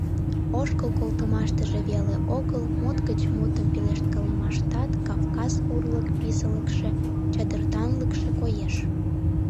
Ошкыл колтымаштыже веле огыл, мут гыч мутым пелешткалымаштат «кавказ урлык» писылыкше, чадыртанлыкше коеш.